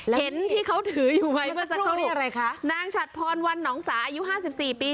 เห็นที่เขาถืออยู่ไหมสักครู่นางฉัดพรวันนองศาอายุ๕๔ปี